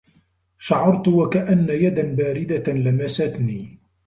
شعرت وكأنّ يدًا باردة لمستني.